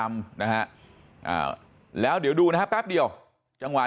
ไม่รู้ตอนไหนอะไรยังไงนะ